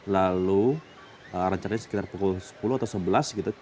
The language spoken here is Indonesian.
lalu rencananya sekitar pukul sepuluh atau sebelas gitu